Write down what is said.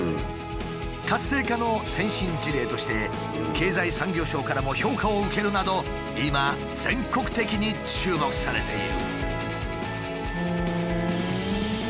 活性化の先進事例として経済産業省からも評価を受けるなど今全国的に注目されている。